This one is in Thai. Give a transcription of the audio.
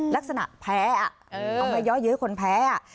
ลักษณะแพ้อ่ะเอามาเยอะเย้ยคนแพ้อ่ะ